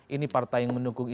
ini partai yang mendukung ini